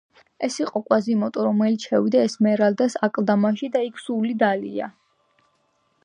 ეს იყო კვაზიმოდო, რომელიც შევიდა ესმერალდას აკლდამაში და იქ დალია სული.